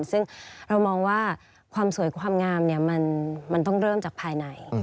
ซึ่งเรามองว่าความสวยความงามมันต้องเริ่มจากภายใน